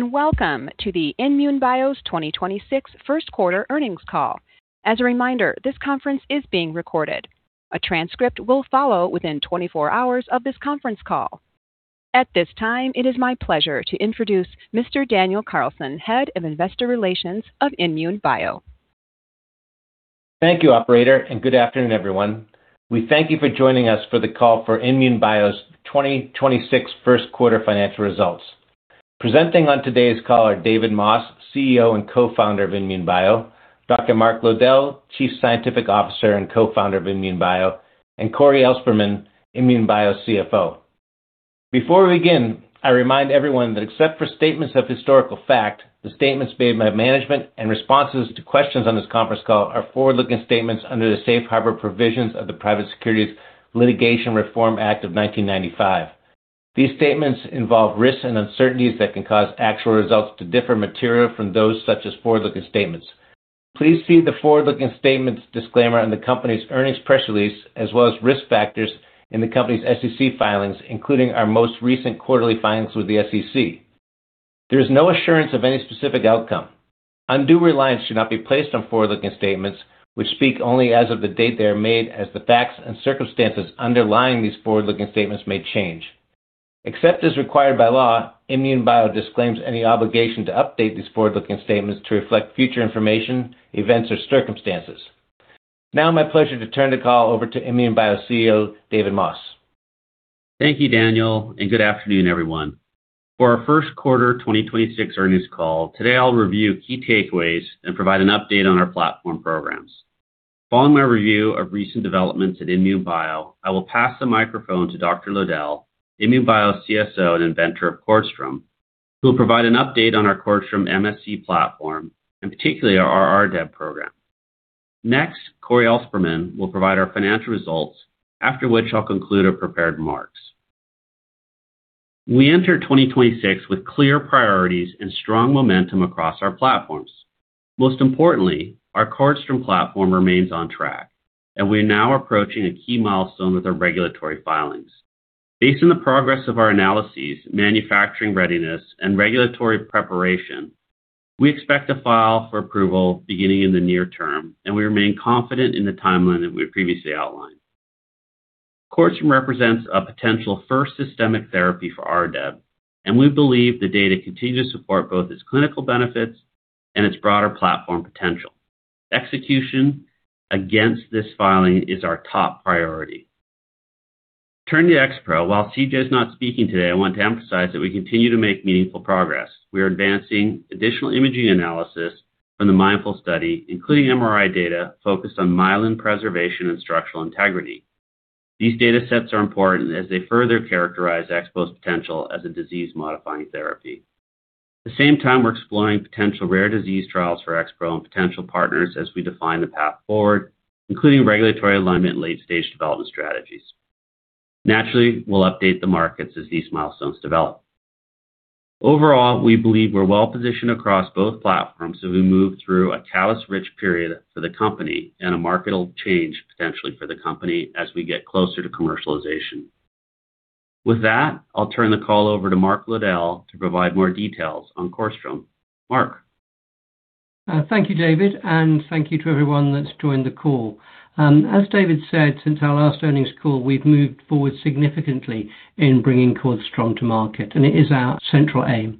Welcome to the INmune Bio's 2026 first quarter earnings call. As a reminder, this conference is being recorded. A transcript will follow within 24 hours of this conference call. At this time, it is my pleasure to introduce Mr. Daniel Carlson, Head of Investor Relations of INmune Bio. Thank you, operator, and good afternoon, everyone. We thank you for joining us for the call for INmune Bio's 2026 first quarter financial results. Presenting on today's call are David Moss, CEO and Co-Founder of INmune Bio, Dr. Mark Lowdell, Chief Scientific Officer and Co-Founder of INmune Bio, and Cory Ellspermann, INmune Bio CFO. Before we begin, I remind everyone that except for statements of historical fact, the statements made by management and responses to questions on this conference call are forward-looking statements under the Safe Harbor provisions of the Private Securities Litigation Reform Act of 1995. These statements involve risks and uncertainties that can cause actual results to differ materially from those such as forward-looking statements. Please see the forward-looking statements disclaimer on the company's earnings press release, as well as risk factors in the company's SEC filings, including our most recent quarterly filings with the SEC. There is no assurance of any specific outcome. Undue reliance should not be placed on forward-looking statements which speak only as of the date they are made, as the facts and circumstances underlying these forward-looking statements may change. Except as required by law, INmune Bio disclaims any obligation to update these forward-looking statements to reflect future information, events, or circumstances. Now my pleasure to turn the call over to INmune Bio CEO, David Moss. Thank you, Daniel, and good afternoon, everyone. For our first quarter 2026 earnings call, today I'll review key takeaways and provide an update on our platform programs. Following my review of recent developments at INmune Bio, I will pass the microphone to Dr. Lowdell, INmune Bio's CSO and inventor of CORDStrom, who will provide an update on our CORDStrom MSC platform, and particularly our RDEB program. Next, Cory Ellspermann will provide our financial results after which I'll conclude our prepared remarks. We enter 2026 with clear priorities and strong momentum across our platforms. Most importantly, our CORDStrom platform remains on track, and we're now approaching a key milestone with our regulatory filings. Based on the progress of our analyses, manufacturing readiness, and regulatory preparation, we expect to file for approval beginning in the near term, and we remain confident in the timeline that we had previously outlined. CORDStrom represents a potential first systemic therapy for RDEB, and we believe the data continue to support both its clinical benefits and its broader platform potential. Execution against this filing is our top priority. Turning to XPro, while CJ's not speaking today, I want to emphasize that we continue to make meaningful progress. We are advancing additional imaging analysis from the MINDFuL study, including MRI data focused on myelin preservation and structural integrity. These datasets are important as they further characterize XPro's potential as a disease-modifying therapy. At the same time, we're exploring potential rare disease trials for XPro and potential partners as we define the path forward, including regulatory alignment and late-stage development strategies. Naturally, we'll update the markets as these milestones develop. Overall, we believe we're well-positioned across both platforms as we move through a catalyst-rich period for the company and a market will change potentially for the company as we get closer to commercialization. With that, I'll turn the call over to Mark Lowdell to provide more details on CORDStrom. Mark. Thank you, David, and thank you to everyone that's joined the call. As David said, since our last earnings call, we've moved forward significantly in bringing CORDStrom to market, and it is our central aim.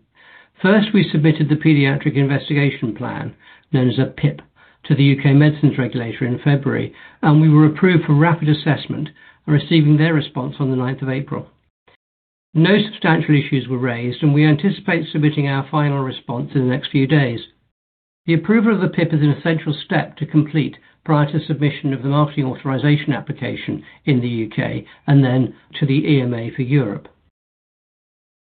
We submitted the Pediatric Investigation Plan, known as a PIP, to the U.K. medicines regulator in February, and we were approved for rapid assessment and receiving their response on the 9th of April. No substantial issues were raised. We anticipate submitting our final response in the next few days. The approval of the PIP is an essential step to complete prior to submission of the Marketing Authorisation Application in the U.K. and then to the EMA for Europe.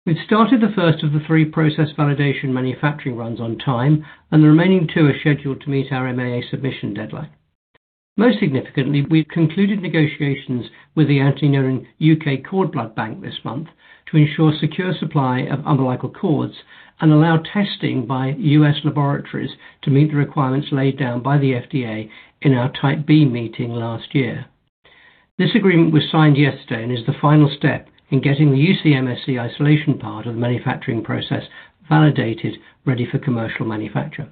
We've started the first of the three process validation manufacturing runs on time. The remaining two are scheduled to meet our MAA submission deadline. Most significantly, we've concluded negotiations with the Anthony Nolan U.K. Cord Blood Bank this month to ensure secure supply of umbilical cords and allow testing by U.S. laboratories to meet the requirements laid down by the FDA in our Type B meeting last year. This agreement was signed yesterday and is the final step in getting the hucMSC isolation part of the manufacturing process validated, ready for commercial manufacture.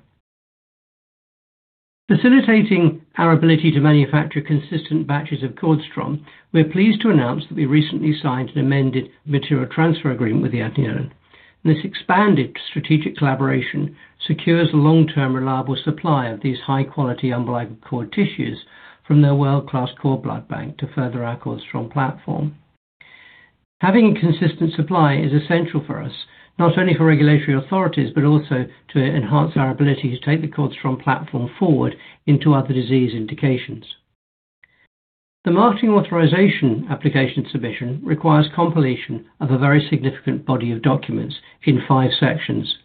Facilitating our ability to manufacture consistent batches of CORDStrom, we're pleased to announce that we recently signed an amended material transfer agreement with the Anthony Nolan. This expanded strategic collaboration secures long-term reliable supply of these high-quality umbilical cord tissues from their world-class cord blood bank to further our CORDStrom platform. Having a consistent supply is essential for us, not only for regulatory authorities, but also to enhance our ability to take the CORDStrom platform forward into other disease indications. The Marketing Authorisation Application submission requires compilation of a very significant body of documents in 5 sections.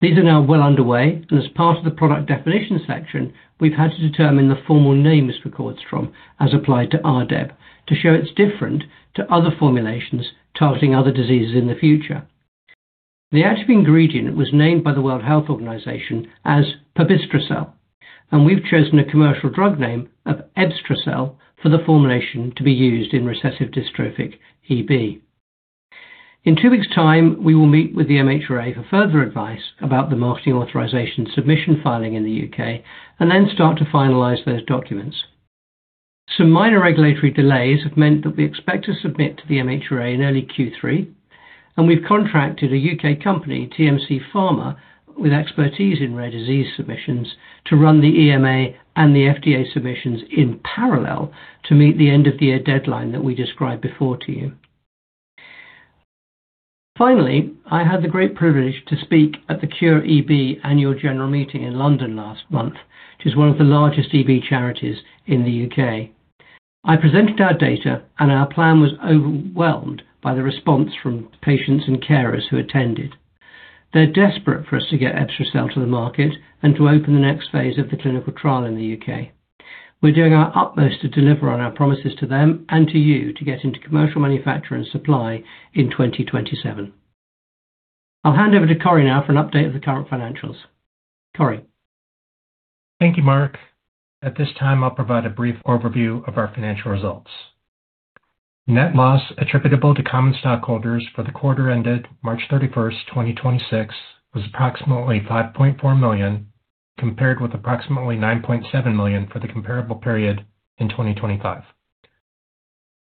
These are now well underway, and as part of the product definition section, we've had to determine the formal name for CORDStrom as applied to RDEB to show it's different to other formulations targeting other diseases in the future. The active ingredient was named by the World Health Organization as pobistrocel. We've chosen a commercial drug name of Ebstracel for the formulation to be used in recessive dystrophic EB. In 2 weeks time, we will meet with the MHRA for further advice about the marketing authorization submission filing in the U.K. and then start to finalize those documents. Some minor regulatory delays have meant that we expect to submit to the MHRA in early Q3. We've contracted a U.K. company, TMC Pharma, with expertise in rare disease submissions to run the EMA and the FDA submissions in parallel to meet the end of year deadline that we described before to you. Finally, I had the great privilege to speak at the Cure EB Annual General Meeting in London last month, which is one of the largest EB charities in the U.K. I presented our data. Our plan was overwhelmed by the response from patients and carers who attended. They're desperate for us to get Ebstracel to the market and to open the next phase of the clinical trial in the U.K. We're doing our utmost to deliver on our promises to them and to you to get into commercial manufacture and supply in 2027. I'll hand over to Cory now for an update of the current financials. Cory. Thank you, Mark. At this time, I'll provide a brief overview of our financial results. Net loss attributable to common stockholders for the quarter ended March 31st, 2026 was approximately $5.4 million, compared with approximately $9.7 million for the comparable period in 2025.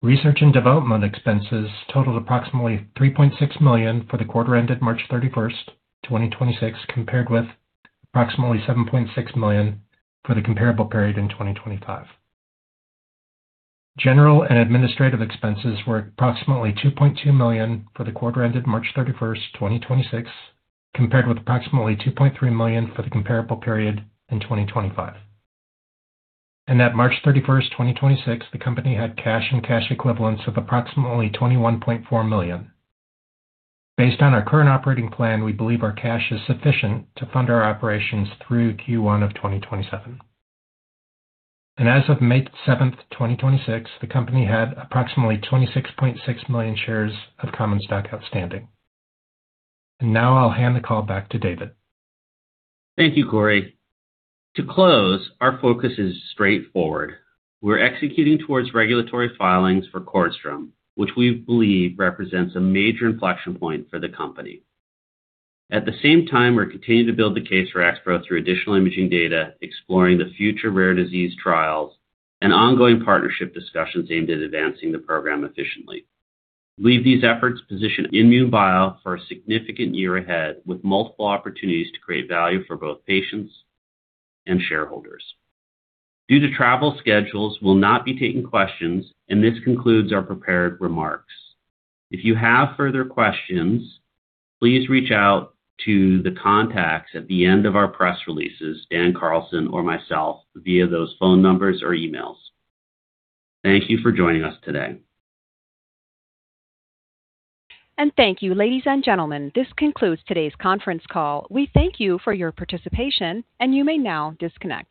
Research and development expenses totaled approximately $3.6 million for the quarter ended March 31st, 2026, compared with approximately $7.6 million for the comparable period in 2025. General and administrative expenses were approximately $2.2 million for the quarter ended March 31st, 2026, compared with approximately $2.3 million for the comparable period in 2025. At March 31st, 2026, the company had cash and cash equivalents of approximately $21.4 million. Based on our current operating plan, we believe our cash is sufficient to fund our operations through Q1 of 2027. As of May 7, 2026, the company had approximately 26.6 million shares of common stock outstanding. Now I'll hand the call back to David. Thank you, Cory. To close, our focus is straightforward. We're executing towards regulatory filings for CORDStrom, which we believe represents a major inflection point for the company. At the same time, we're continuing to build the case for XPro through additional imaging data, exploring the future rare disease trials, and ongoing partnership discussions aimed at advancing the program efficiently. We believe these efforts position INmune Bio for a significant year ahead with multiple opportunities to create value for both patients and shareholders. Due to travel schedules, we'll not be taking questions, and this concludes our prepared remarks. If you have further questions, please reach out to the contacts at the end of our press releases, Dan Carlson or myself, via those phone numbers or emails. Thank you for joining us today. Thank you, ladies and gentlemen. This concludes today's conference call. We thank you for your participation, and you may now disconnect.